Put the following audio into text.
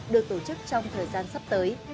được tổ chức trong thời gian sắp tới